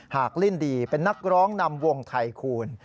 กลิ้นดีเป็นนักร้องนำวงไทคูณ